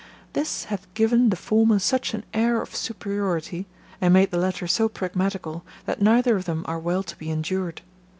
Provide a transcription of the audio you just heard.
This hath given the former such an air of superiority, and made the latter so pragmatical, that neither of them are well to be endured.